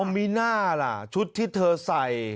อ้อมมีหน้าล่ะชุดที่เธอใส่